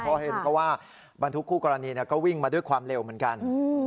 เพราะเห็นก็ว่าบรรทุกคู่กรณีก็วิ่งมาด้วยความเร็วเหมือนกัน